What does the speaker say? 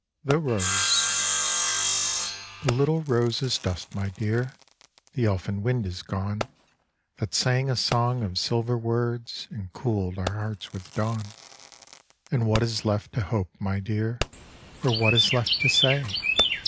92 THE ROSE The little rose is dust, my dear, The elfin wind is gone That sang a song of silver words And cooled our hearts with dawn. And what is left to hope, my dear, Or what is left to say?